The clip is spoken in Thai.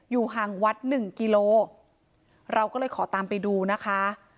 ห่างวัดหนึ่งกิโลเราก็เลยขอตามไปดูนะคะ